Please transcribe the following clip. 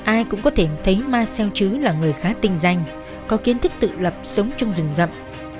ai cũng có thể thấy marcel chứ là người khá tinh danh có kiến thức tự lập sống trong rừng rậm